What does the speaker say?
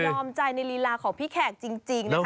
อมใจในลีลาของพี่แขกจริงนะคะ